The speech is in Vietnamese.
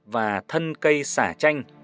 và thân cây sả chanh